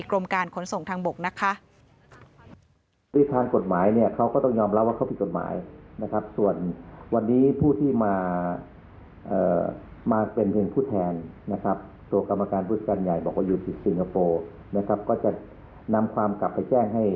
กรมการขนส่งทางบกนะคะ